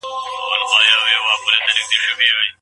آيا په باطله نکاح کي طلاق واقع کيږي؟